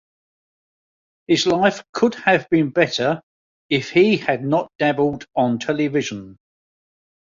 His life could have been better if he had not dabbled on television.